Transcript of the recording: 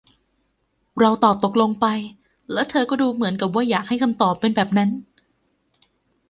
เราตอบตกลงไป และเธอก็ดูเหมือนกับว่าอยากจะให้คำตอบเป็นแบบนั้น